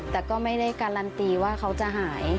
แต่ก็ไม่ได้การันตีว่าเขาจะหาย